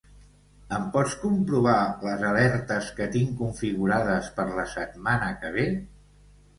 Em pots comprovar les alertes que tinc configurades per la setmana que ve?